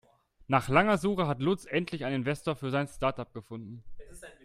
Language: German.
Nach langer Suche hat Lutz endlich einen Investor für sein Startup gefunden.